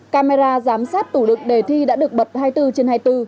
camera giám sát tủ đực đề thi đã được bật hai mươi bốn trên hai mươi bốn